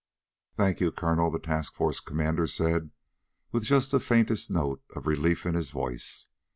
"Thank you, Colonel," the task force commander said with just the faintest note of relief in his voice.